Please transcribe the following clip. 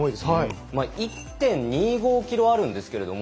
１．２５キロあるんですけれども。